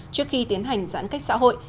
trước khi tiến hành giãn cách xã hội